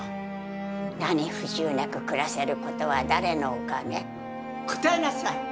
何不自由なく暮らせることは誰のおかげ？答えなさい！